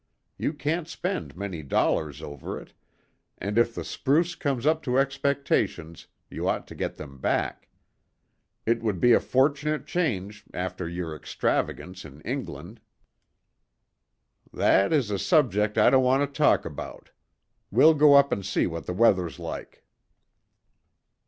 You can't spend many dollars over it, and if the spruce comes up to expectations, you ought to get them back. It would be a fortunate change, after your extravagance in England." "That is a subject I don't want to talk about. We'll go up and see what the weather's like."